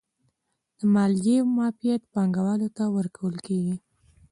د مالیې معافیت پانګوالو ته ورکول کیږي